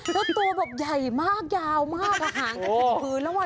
แล้วตัวแบบใหญ่มากยาวมากหางกันทั้งพื้น